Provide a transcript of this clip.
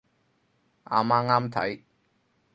阿媽啱睇